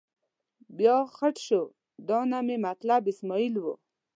بیا خټ شو، دا نه مې مطلب اسمعیل و.